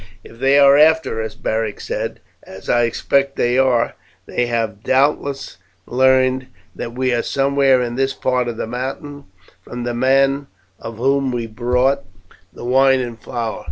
"If they are after us," Beric said, "as I expect they are, they have doubtless learned that we are somewhere in this part of the mountains from the man of whom we bought the wine and flour.